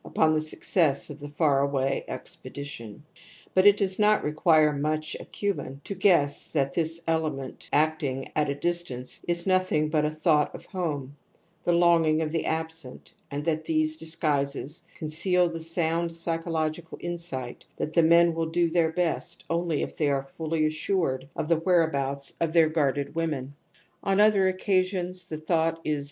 upon the success of the far away expedition. But it does not " FrasBer, Z.c., p. 200. \/ V.. fc 164 TOTEM AND TABOO require much acumen to guess that this element acting at a distance is nothing but a thought of home, the longing of the absent, and that these disguises conceal the sound psychological in fsight that the men will do their best only if they /are fully assured of the whereabouts of their I guarded women. On other occasiom^ the Thought is.